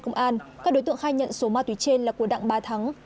công an các đối tượng khai nhận số ma túy trên là của đặng ba thắng